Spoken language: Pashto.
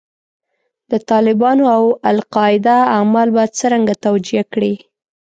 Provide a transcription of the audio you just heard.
د طالبانو او القاعده اعمال به څرنګه توجیه کړې.